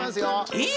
えっ？